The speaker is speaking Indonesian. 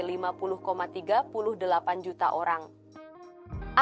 dari total seluruh penduduk yang berperan kembali ke perusahaan